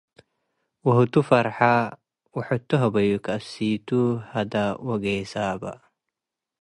ወህቱ ፈርሐ ወሕቱ' ሀበዩ፣ ከእሲ'ቱ ሀደ ወጌሰ በ።